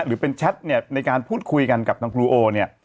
หรือเป็นแชทเนี่ยในการพูดคุยกันกับทางครูโอเนี่ย